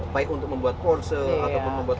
baik untuk membuat ponsel ataupun membuat